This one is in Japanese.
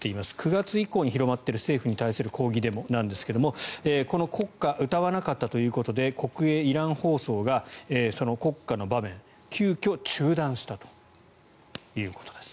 ９月以降に広まっている政府に対する抗議デモなんですがこの国歌を歌わなかったということで国営イラン放送がその国歌の場面を急きょ中断したということです。